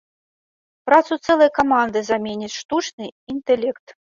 Працу цэлай каманды заменіць штучны інтэлект.